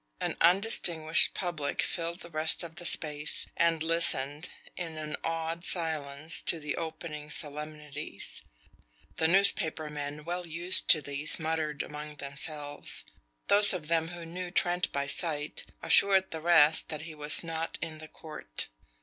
An undistinguished public filled the rest of the space, and listened, in an awed silence, to the opening solemnities. The newspaper men, well used to these, muttered among themselves. Those of them who knew Trent by sight, assured the rest that he was not in the court.